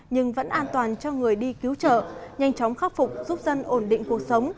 nhưng vẫn an toàn cho người đi cứu trợ nhanh chóng khắc phục giúp dân ổn định cuộc sống